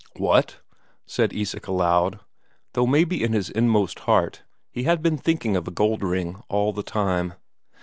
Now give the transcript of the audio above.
"What!" said Isak aloud. Though maybe in his inmost heart he had been thinking of a gold ring all the time.